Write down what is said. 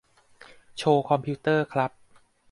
โชว์คอมพิวเตอร์ครับ